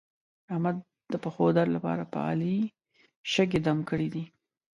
احمد د پښو درد لپاره په علي شګې دم کړې دي.